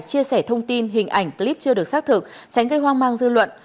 chia sẻ thông tin hình ảnh clip chưa được xác thực tránh gây hoang mang dư luận